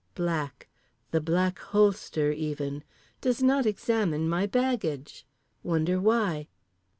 Black. The Black Holster even. Does not examine my baggage. Wonder why?